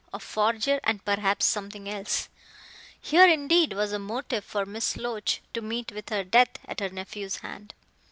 A forger and perhaps something else. Here, indeed, was a motive for Miss Loach to meet with her death at her nephew's hand.